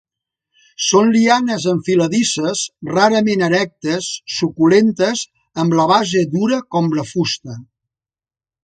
Són lianes enfiladisses, rarament erectes, suculentes amb la base dura com la fusta.